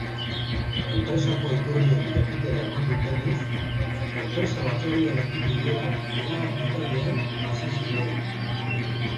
Enpresako iturriek jakitera eman dutenez, enpresa-batzordearekin bilerak iragan uztailean hasi ziren.